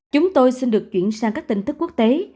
chúng tôi xin được chuyển sang các tin tức quốc tế